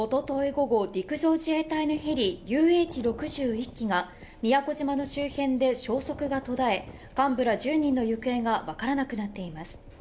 午後、陸上自衛隊のヘリＵＨ６０、１機が宮古島の周辺で消息が途絶え、幹部ら１０人の行方が分からなくなっています。